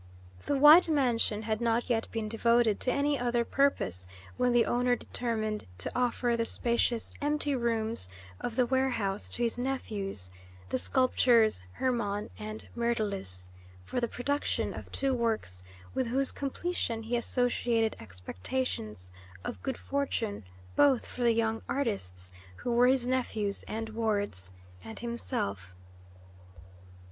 The white mansion had not yet been devoted to any other purpose when the owner determined to offer the spacious empty rooms of the ware house to his nephews, the sculptors Hermon and Myrtilus, for the production of two works with whose completion he associated expectations of good fortune both for the young artists, who were his nephews and wards, and himself.